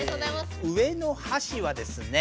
上のはしはですね